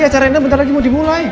acara ini bentar lagi mau dimulai